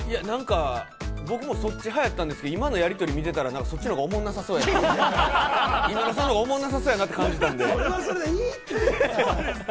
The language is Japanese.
僕もそっち派やったんですけれども、今のやり取り見たら、そっちの方がおもんなそうやったんで、今田さんの方がおもんなそうやなって感じたんで、自由に。